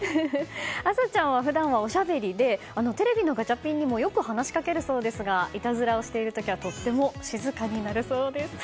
安沙ちゃんは普段はおしゃべりでテレビのガチャピンにもよく話しかけるそうですがいたずらをしている時はとても静かになるそうです。